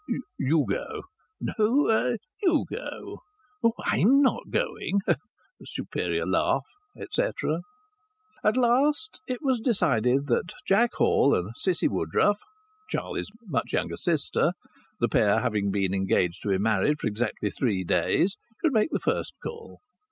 "You go!" "No, you go." "Oh! I'm not going," (a superior laugh), etc. At last it was decided that Jack Hall and Cissy Woodruff (Charlie's much younger sister), the pair having been engaged to be married for exactly three days, should make the first call.